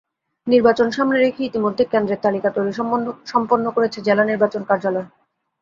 নির্বাচন সামনে রেখে ইতিমধ্যে কেন্দ্রের তালিকা তৈরি সম্পন্ন করেছে জেলা নির্বাচন কার্যালয়।